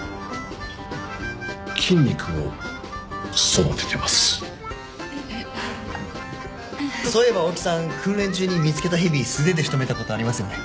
そういえば大木さん訓練中に見つけた蛇素手で仕留めたことありますよね？